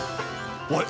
おい！